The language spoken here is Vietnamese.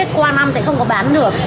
qua năm sẽ không có bán được